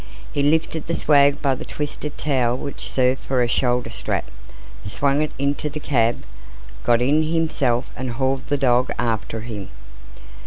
He lifted the swag by the twisted towel which served for a shoulder strap, swung it into the cab, got in himself and hauled the dog after him.